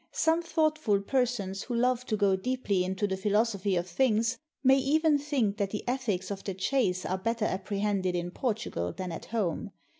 Some thoughtful per sons who love to go deeply into the philosophy of things, may even think that the ethics of the chase are better apprehended in Portugal than at home.